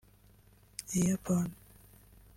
Airborne